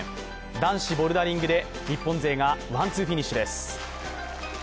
男子ボルダリングで日本勢がワンツーフィニッシュです。